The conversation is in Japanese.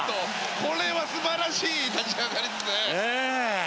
これは素晴らしい立ち上がりですね。